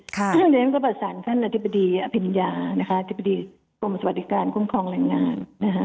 เพราะฉะนั้นก็ประสานท่านอธิบดีอภิญญานะคะอธิบดีกรมสวัสดิการคุ้มครองแรงงานนะคะ